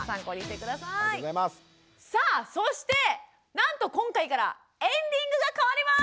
さあそしてなんと今回からエンディングが変わります！